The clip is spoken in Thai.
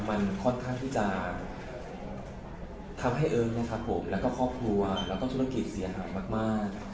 มันค่อนข้างที่จะทำให้เอิ๊กนะครับผมแล้วก็ครอบครัวแล้วก็ธุรกิจเสียหายมาก